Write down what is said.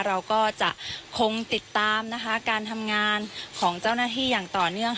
เราก็จะคงติดตามนะคะการทำงานของเจ้าหน้าที่อย่างต่อเนื่อง